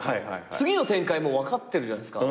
次の展開も分かってるじゃないっすか。